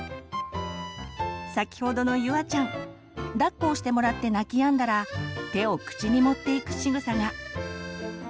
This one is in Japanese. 先ほどのゆあちゃんだっこをしてもらって泣きやんだら手を口に持っていくしぐさが。